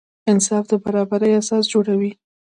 انصاف د برابري اساس جوړوي.